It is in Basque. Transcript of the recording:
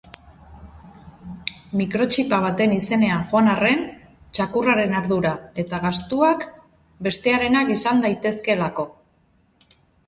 Mikrotxipa baten izenean joan arren, txakurraren ardura eta gastuak bestearenak izan daitezkeelako.